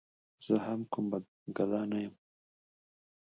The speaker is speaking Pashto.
زه هم کوم ګدا نه یم.